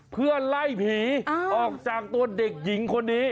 เพื่อไล่ผีออกจากตัวเด็กหญิงคนนี้